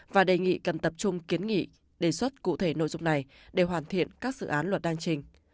và đề nghị cần tập trung kiến nghị đề xuất cụ thể nội dung này để hoàn thiện các dự án luật đang trình